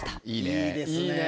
いいですね。